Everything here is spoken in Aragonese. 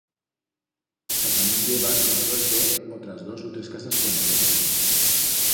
Tasament viebas, con suerte, otras dos u tres casas con chent.